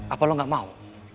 apa lu gak mau